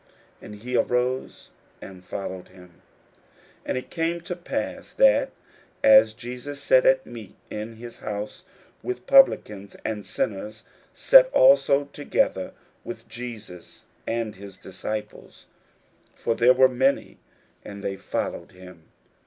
And he arose and followed him. 41:002:015 And it came to pass, that, as Jesus sat at meat in his house, many publicans and sinners sat also together with Jesus and his disciples: for there were many, and they followed him.